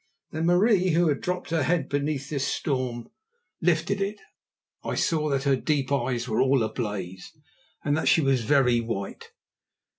Then Marie, who had dropped her head beneath this storm, lifted it, and I saw that her deep eyes were all ablaze and that she was very white.